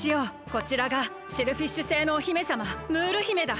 こちらがシェルフィッシュ星のお姫さまムール姫だ。